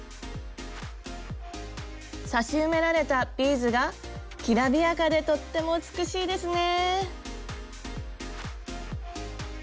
刺し埋められたビーズがきらびやかでとっても美しいですね。